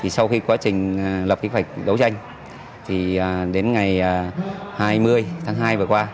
sau khi quá trình lập kế hoạch đấu tranh đến ngày hai mươi tháng hai vừa qua